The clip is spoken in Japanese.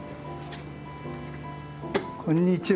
こんにちは。